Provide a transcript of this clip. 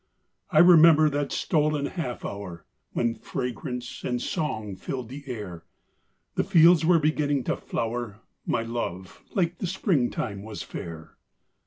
I remember that stolen half hour: When fragrance and song filled the air, The fields were beginning to flower, My love like the spring time was fair.